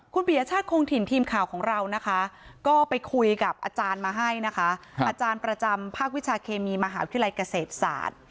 คุณปียชาติคงถิ่นทีมข่าวของเรานะคะก็ไปคุยกับอาจารย์มาให้นะคะอาจารย์ประจำภาควิชาเคมีมหาวิทยาลัยเกษตรศาสตร์